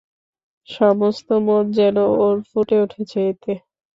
সমস্ত মন যেন ওর ফুটে উঠেছে এতে।